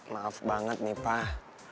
maaf banget nih pak